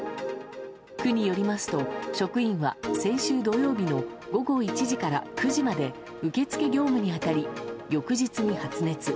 区によりますと職員は、先週土曜日の午後１時から９時まで受付業務に当たり翌日に発熱。